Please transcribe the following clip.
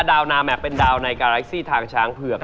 ดาวนาแมคเป็นดาวในกาแล็กซี่ทางช้างเผือกนะฮะ